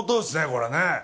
これね。